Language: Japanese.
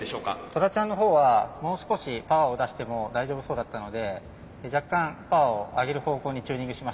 トラちゃんのほうはもう少しパワーを出しても大丈夫そうだったので若干パワーを上げる方向にチューニングしました。